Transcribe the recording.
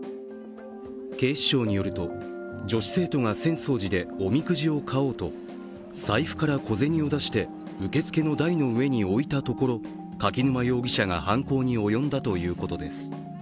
警視庁によると、女子生徒が浅草寺でおみくじを買おうと、財布から小銭を出して受付の台の上に置いたところ柿沼容疑者が犯行に及んだということです。